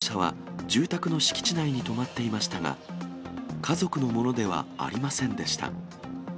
この乗用車は住宅の敷地内に止まっていましたが、家族のものではありませんでした。